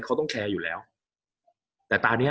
กับการสตรีมเมอร์หรือการทำอะไรอย่างเงี้ย